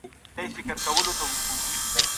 بد بوی د سلفور لرونکو مرکباتو له امله رامنځته کېږي.